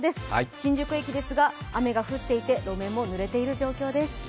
新宿駅ですが雨が降っていて路面もぬれている状況です。